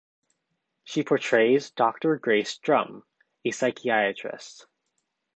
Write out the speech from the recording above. She portrays Doctor Grace Drum, a psychiatrist.